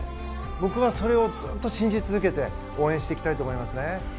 僕はそれをずっと信じ続けて応援していきたいと思いますね。